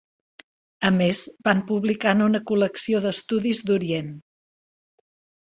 A més, van publicant una col·lecció d'estudis d'Orient.